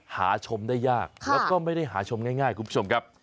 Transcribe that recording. หาชมได้ยากแล้วก็ไม่ได้หาชมง่ายคุณผู้ชมครับ